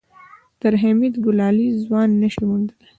تر حميد ګلالی ځوان نه شې موندلی.